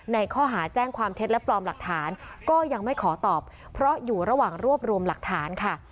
ในข้อหาแจ้งความเท็จและปลอมหลักฐานก็ยังไม่ขอตอบเพราะอยู่ระหว่างรวบรวมหลักฐานค่ะ